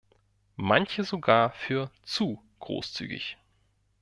Manche sogar für zu großzügig.